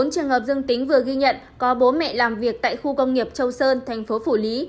bốn trường hợp dương tính vừa ghi nhận có bố mẹ làm việc tại khu công nghiệp châu sơn thành phố phủ lý